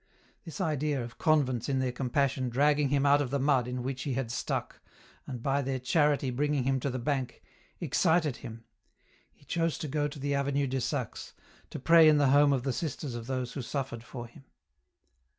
This idea of convents in their compassion dragging him out of the mud in which he had stuck, and by their charity bringing him to the bank, excited him. He chose to go to the Avenue de Saxe, to pray in the home of the sisters of those who suffered for him.